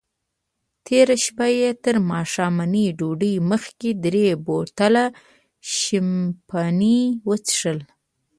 تېره شپه یې تر ماښامنۍ ډوډۍ مخکې درې بوتله شیمپین وڅیښل.